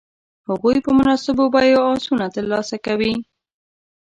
هغوی په مناسبو بیو آسونه تر لاسه کوي.